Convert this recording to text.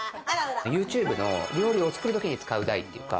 ＹｏｕＴｕｂｅの料理を作るときに使う台というか。